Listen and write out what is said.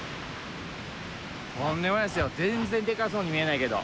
とんでもないですよ全然でかそうに見えないけど。